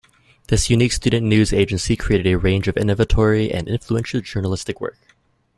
This unique student news agency created a range of innovatory and influential journalistic work.